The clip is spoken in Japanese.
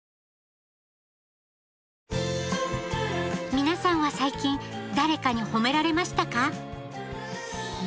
皆さんは最近誰かに褒められましたか？